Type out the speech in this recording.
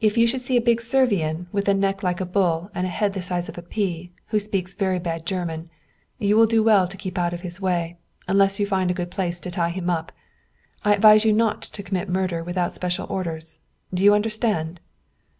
"If you should see a big Servian with a neck like a bull and a head the size of a pea, who speaks very bad German, you will do well to keep out of his way, unless you find a good place to tie him up. I advise you not to commit murder without special orders, do you understand?"